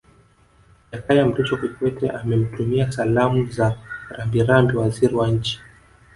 Jakaya Mrisho Kikwete amemtumia Salamu za Rambirambi Waziri wa Nchi